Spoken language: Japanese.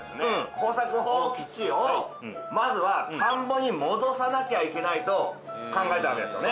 耕作放棄地をまずは田んぼに戻さなきゃいけないと考えたわけですよね